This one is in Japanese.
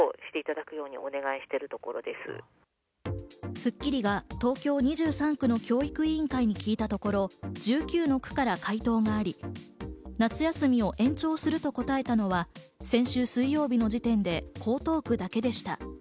『スッキリ』が東京２３区の教育委員会に聞いたところ１９の区から回答があり、夏休みを延長すると答えたのは先週水曜日の時点で江東区だけでした。